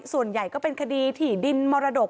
ส่วนใหญ่ก็เป็นคดีถี่ดินมรดก